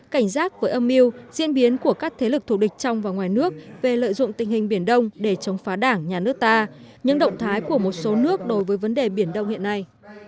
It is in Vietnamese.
cảnh giác với âm mưu diễn biến của các thế lực thủ địch trong và ngoài nước về lợi dụng tình hình biển đông để chống phá đảng nhà nước ta những động thái của một số nước đối với vấn đề biển đông hiện nay